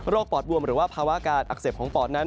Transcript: ปอดบวมหรือว่าภาวะการอักเสบของปอดนั้น